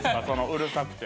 うるさくて。